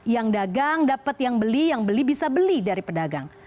yang dagang dapat yang beli yang beli bisa beli dari pedagang